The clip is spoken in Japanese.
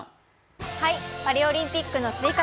パリオリンピックの追加